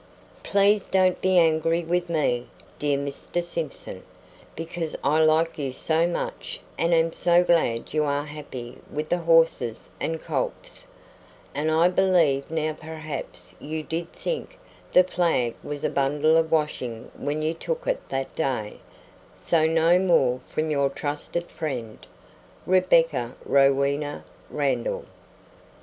Please don't be angry with me, dear Mr. Simpson, because I like you so much and am so glad you are happy with the horses and colts; and I believe now perhaps you DID think the flag was a bundle of washing when you took it that day; so no more from your Trusted friend, Rebecca Rowena Randall.